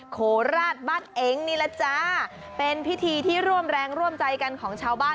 โคราชบ้านเองนี่แหละจ้าเป็นพิธีที่ร่วมแรงร่วมใจกันของชาวบ้าน